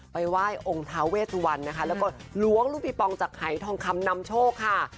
ไหว้องค์ท้าเวสวันนะคะแล้วก็ล้วงลูกปิงปองจากหายทองคำนำโชคค่ะ